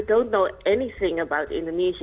saya tidak tahu apa apa tentang indonesia